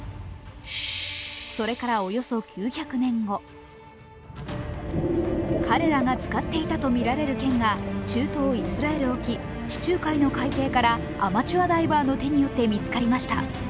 それからおよそ９００年後、彼らが使っていたとみられる剣が中東イスラエル沖地中海の海底からアマチュアダイバーの手によって見つかりました。